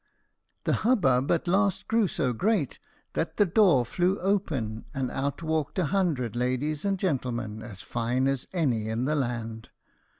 The hubbub at last grew so great that the door flew open, and out walked a hundred ladies and gentlemen, as fine as any in the land.